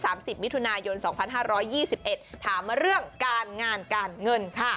สิบมิถุนายนสองพันห้าร้อยยี่สิบเอ็ดถามมาเรื่องการงานการเงินค่ะ